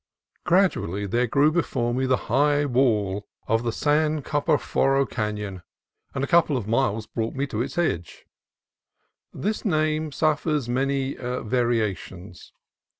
Gradually there grew up before me the high wall of the San Carp6foro Canon, and a couple of miles MORE KIND MEXICANS 167 brought me to its edge. (This name suffers many variations.